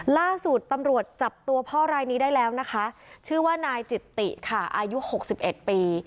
ล่าสุดตำรวจจับตัวพ่อรายนี้ได้แล้วนะคะชื่อว่านายจิตติค่ะอายุหกสิบเอ็ดปี